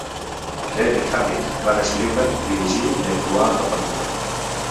Deren i Hammid van escriure, dirigir i actuar en la pel·lícula.